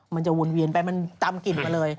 มันจะวุ่นเวียนไปจะกลไกลไป